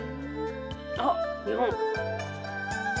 あっ日本。